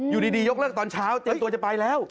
อยู่ดียกเลิกตอนเช้าเจอตัวจะไปแล้ว